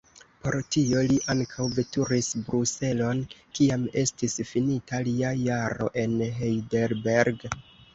Por tio li ankaŭ veturis Bruselon, kiam estis finita lia jaro en Heidelberg.